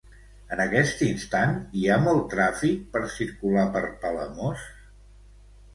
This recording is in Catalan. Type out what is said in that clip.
En aquest instant, hi ha molt tràfic per circular per Palamós?